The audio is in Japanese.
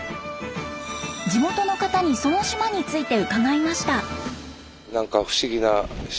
地元の方にその島について伺いました。